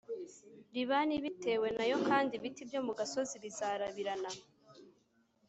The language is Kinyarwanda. Libani bitewe na yo kandi ibiti byo mu gasozi bizarabirana